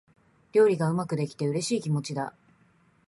料理がうまくできて、嬉しい気持ちだ。